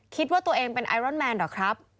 คิดว่าตัวเองเป็นไอรอนแมนเหรอครับ